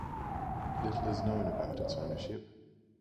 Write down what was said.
Little is known about its ownership.